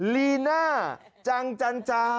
ลีน่าจังจันจา